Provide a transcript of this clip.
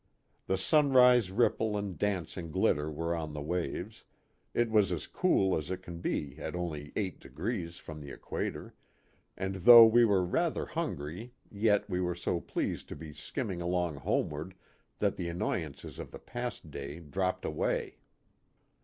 The sun rise ripple and dancing glitter were on the waves, it was as cool as it can be at only eight degrees from the equator, and though we were rather hungry yet we were so pleased to be skimming along homeward that the annoyances of the past day dropped away.